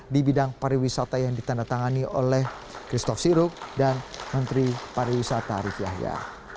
di bidang pariwisata yang ditandatangani oleh christoph sirup dan menteri pariwisata arief yahya